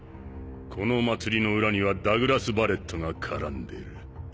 この祭りの裏にはダグラス・バレットが絡んでる。